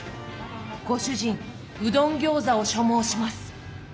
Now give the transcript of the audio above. ご主人うどんギョーザを所望します！